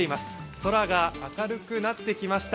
空が明るくなってきました。